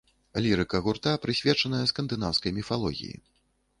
Лірыка гурта прысвечаная скандынаўскай міфалогіі.